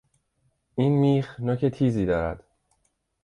این میخ نوک تیزی دارد.